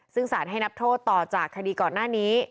ซึ่งสารให้นับโทษต่อจากคดีก่อนหน้านี้